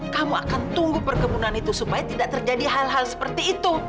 kamu akan tunggu perkebunan itu supaya tidak terjadi hal hal seperti itu